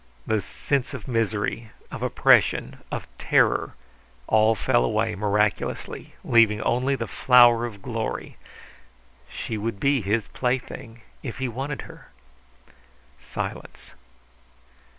The sense of misery, of oppression, of terror, all fell away miraculously, leaving only the flower of glory. She would be his plaything if he wanted her. Silence.